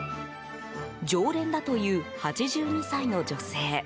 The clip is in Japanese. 常連だという８２歳の女性。